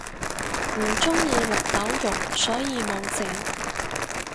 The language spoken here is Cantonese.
唔鍾意綠豆蓉所以無整